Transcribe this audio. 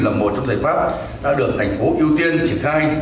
là một trong giải pháp đã được thành phố ưu tiên triển khai